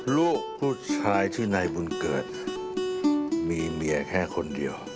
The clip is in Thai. ลูกผู้ชายชื่อนายบุญเกิดมีเมียแค่คนเดียว